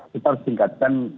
kita harus singkatkan